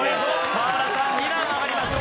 河村さん２段上がりましょう。